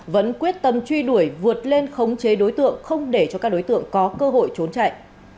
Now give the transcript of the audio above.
vẫn quyết tâm truy đuổi vượt lên khống chế đối tượng không để cho các đối tượng có cơ hội trốn chạy